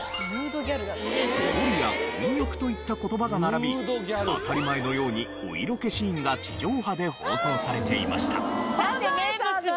「ポロリ」や「混浴」といった言葉が並び当たり前のようにお色気シーンが地上波で放送されていました。